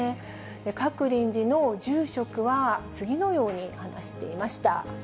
鶴林寺の住職は、次のように話していました。